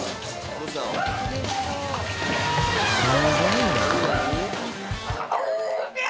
すごいな。